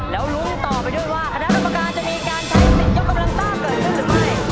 แล้วลุ้นต่อไปด้วยว่าคณะกรรมการจะมีการใช้สิทธิ์ยกกำลังต้าเกิดขึ้นหรือไม่